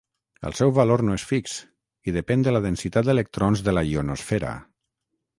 El seu valor no és fix i depèn de la densitat d'electrons de la ionosfera.